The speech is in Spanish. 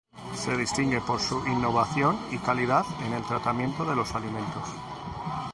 Se distingue por su innovación y calidad en el tratamiento de los alimentos.